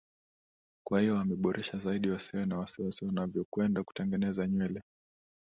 kwa hiyo wameboresha zaidi wasiwe na wasiwasi wanovyokwenda kutengeneza nywele